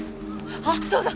あっそうだ。